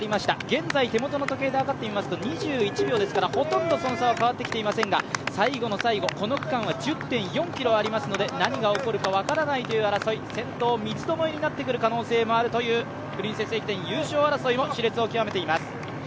現在手元の時計ではかってみますと２１秒ですから、ほとんどその差は変わってきていませんが、最後の最後、この区間は１０．４ｋｍありますので何が起こるか分からない、先頭、三つどもえになってくるという可能性もあるプリンセス駅伝優勝争いもしれつを極めています。